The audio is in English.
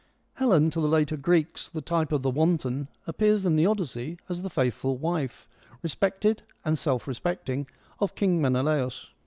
Helen, to the later Greeks the type of the wanton, appears in the Odyssey as the faithful wife, respected and self respe cting, of King Menelaus.